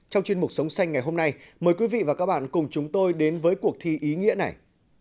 trong chuyên mục sống xanh ngày hôm nay mời quý vị và các bạn cùng chúng tôi đến với cuộc thi ý nghĩa này